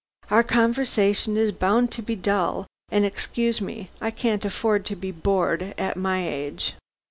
Our conversation is bound to be dull, and excuse me I can't afford to be bored at my age."